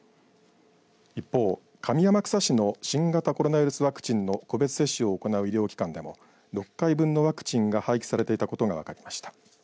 一方、上天草市の新型コロナウイルスワクチンの個別接種を行う医療機関でも６回分のワクチンが廃棄されていたことが分かりました。